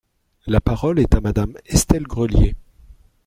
La parole est à Madame Estelle Grelier.